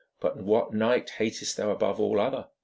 'But what knight hatest thou above all other?